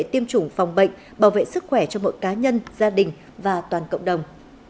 tiêm chủng phòng bệnh bảo vệ sức khỏe cho mọi cá nhân gia đình và toàn cộng đồng